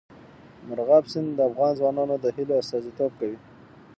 مورغاب سیند د افغان ځوانانو د هیلو استازیتوب کوي.